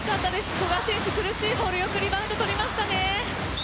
古賀選手、苦しいところいいリバウンド取りましたね。